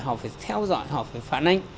họ phải theo dõi họ phải phản ánh